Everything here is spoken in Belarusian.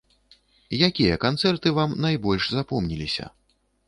Якія канцэрты вам найбольш запомніліся?